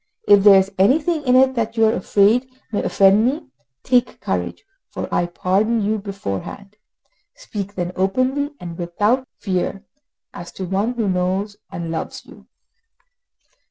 If there is anything in it that you are afraid may offend me, take courage, for I pardon you beforehand. Speak then openly and without fear, as to one who knows and loves you."